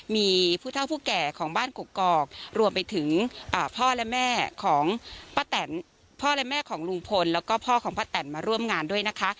มีผู้เท่าผู้แก่ของบ้านกกอกรวมไปถึงพ่อและแม่ของลุงพลและพ่อของพระแต่นมาร่วมงานด้วยนะคะ